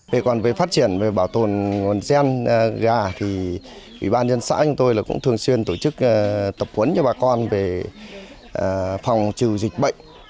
về còn về phát triển và bảo tồn nguồn gen gà thì ủy ban dân xã của tôi cũng thường xuyên tổ chức tập huấn cho bà con về phòng trừ dịch bệnh